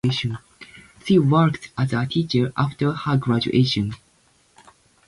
She worked as a teacher after her graduation.